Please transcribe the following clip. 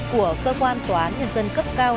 của cơ quan tòa án nhân dân cấp cao